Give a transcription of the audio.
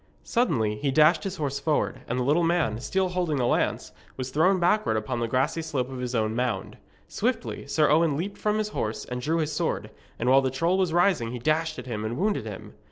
Suddenly he dashed his horse forward, and the little man, still holding the lance, was thrown backward upon the grassy slope of his own mound. Swiftly Sir Owen leaped from his horse and drew his sword, and while the troll was rising he dashed at him and wounded him.